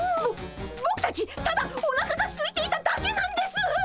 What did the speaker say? ぼぼくたちただおなかがすいていただけなんですっ！